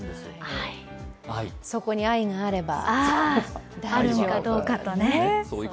そこに愛があれば。